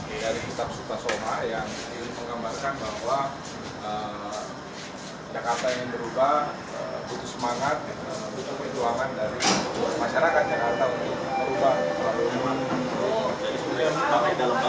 dari kitab suta soma yang menggambarkan bahwa jakarta yang berubah butuh semangat butuh perjuangan dari masyarakat jakarta untuk berubah